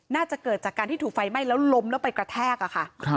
น่าจะเกิดจากการที่ถูกไฟไหม้แล้วล้มแล้วไปกระแทกอะค่ะ